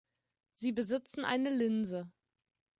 Sie besitzen eine Linse.